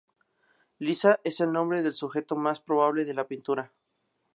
Lisa es el nombre del sujeto más probable de la pintura.